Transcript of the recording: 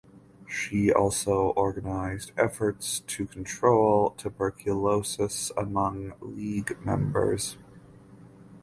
She also organized efforts to control tuberculosis among League members.